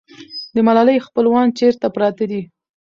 د ملالۍ خپلوان چېرته پراته دي؟